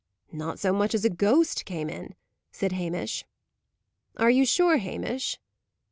"Not so much as a ghost came in," said Hamish. "Are you sure, Hamish?"